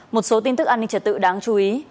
một số tin tức an ninh trật tự đáng chú ý